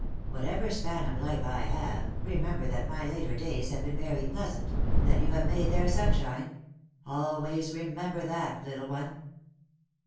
What ever span of life I have, remember that my later days have been very pleasant, and that you have made their sunshine — always remember that, little one."